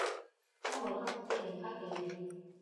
دا مرغه ښکلی غږ لري.